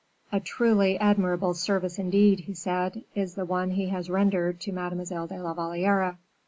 "A truly admirable service, indeed," he said, "is the one he has rendered to Mademoiselle de la Valliere!